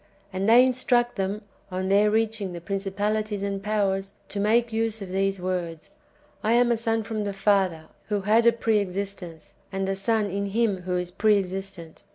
And they instruct them, on their reaching the principalities and powers, to make use of these words: "I am a son from the Father — the Father who had a pre existence, and a son in Him who is pre existent.